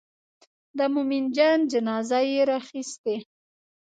د مومن جان جنازه یې راخیستې.